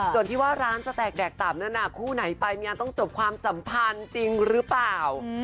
ส่วนที่ว่าร้านจะแตกแดกต่ำนั้นคู่ไหนไปงานต้องจบความสัมพันธ์จริงหรือเปล่า